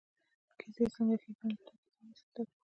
کیسې څه ښېګڼې لري له کیسو نه څه زده کوو.